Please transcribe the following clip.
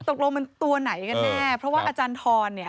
ตกลงมันตัวไหนกันแน่เพราะว่าอาจารย์ทรเนี่ย